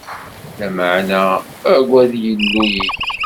Lameɛna agad Illu-ik.